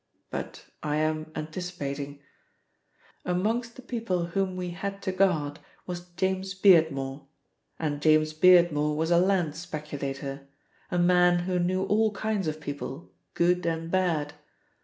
But I am anticipating. Amongst the people whom we had to guard was James Beardmore, and James Beardmore was a land speculator, a man who knew all kinds of people, good and bad.